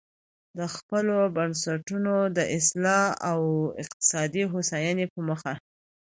د خپلو بنسټونو د اصلاح او اقتصادي هوساینې په موخه.